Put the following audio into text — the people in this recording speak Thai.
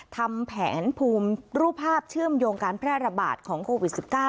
ทำแผนภูมิรูปภาพเชื่อมโยงการแพร่ระบาดของโควิด๑๙